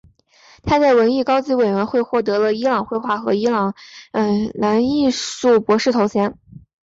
他在文艺高级委员会获得了伊朗绘画和伊斯兰艺术博士头衔。